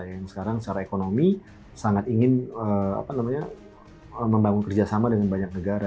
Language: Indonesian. yang sekarang secara ekonomi sangat ingin membangun kerjasama dengan banyak negara